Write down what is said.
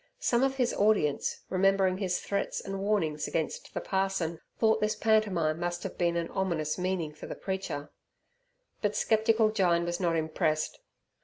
Some of his audience, remembering his threats and warnings against the parson, thought this pantomime must have an ominous meaning for the preacher. But sceptical Jyne was not impressed.